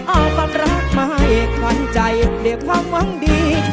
เอาความรักมาให้ควัญใจ